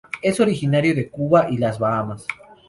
Es originario de Cuba y las Bahamas.